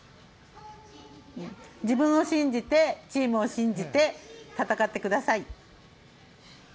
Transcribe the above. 自分を信じてチームを信じて戦ってください。